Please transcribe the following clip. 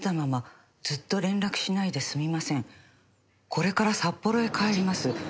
「これから札幌へ帰ります」